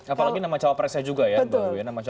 apalagi nama jawab presnya juga ya mbak bowie